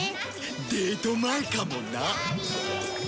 デート前かもな